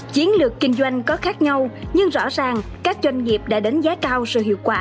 chiến lược kinh doanh có khác nhau nhưng rõ ràng các doanh nghiệp đã đánh giá cao sự hiệu quả